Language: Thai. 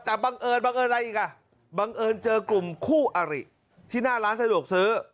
แต่บังเอิญบังเอิญอะไรอีกอ่ะบังเอิญเจอกลุ่มคู่อริที่หน้าร้านสะดวกซื้อ